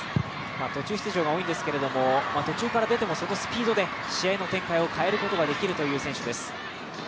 途中出場が多いんですけれども、途中から出てもそのスピードで試合の展開を変えることができるという選手です。